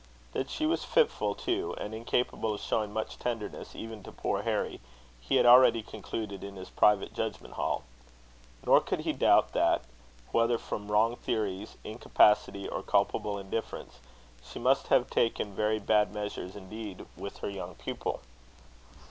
That she was fitful, too, and incapable of showing much tenderness even to poor Harry, he had already concluded in his private judgment hall. Nor could he doubt that, whether from wrong theories, incapacity, or culpable indifference, she must have taken very bad measures indeed with her young pupil.